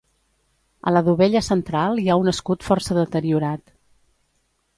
A la dovella central hi ha un escut força deteriorat.